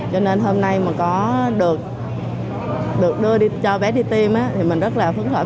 cho nên hôm nay mà có được đưa đi cho bé đi tiêm thì mình rất là phấn khởi